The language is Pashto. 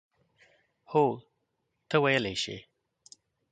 هو، ته ویلای شې.